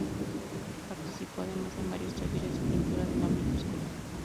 Participó además en varios talleres de pintura del ámbito escolar.